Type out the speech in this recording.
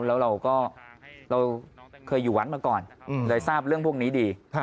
แล้วเราก็เราเคยอยู่วัดมาก่อนเลยทราบเรื่องพวกนี้ดี